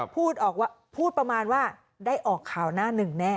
พูดประมาณว่าได้ออกข่าวหน้าหนึ่งแน่